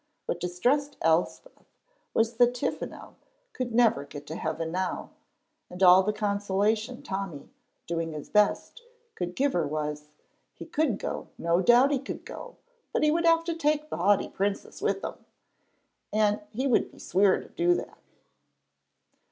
What distressed Elspeth was that Tiffano could never get to heaven now, and all the consolation Tommy, doing his best, could give her was, "He could go, no doubt he could go, but he would have to take the Haughty Princess wi' him, and he would be sweer to do that."